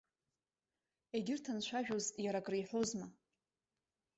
Егьырҭ анцәажәоз, иара акры иҳәозма?!